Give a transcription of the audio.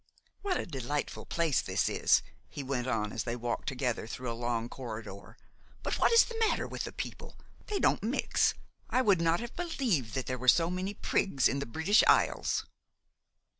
"What a delightful place this is!" he went on as they walked together through a long corridor. "But what is the matter with the people? They don't mix. I would not have believed that there were so many prigs in the British Isles."